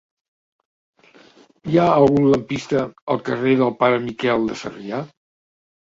Hi ha algun lampista al carrer del Pare Miquel de Sarrià?